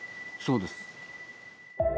そうです。